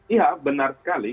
ya benar sekali